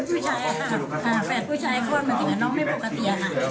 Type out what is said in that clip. เพราะว่ามันจะเห็อน้องไม่ปกติค่ะ